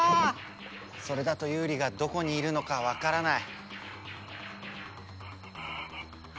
それだとユウリがどこにいるのかわからない。